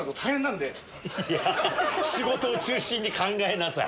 仕事を中心に考えなさい！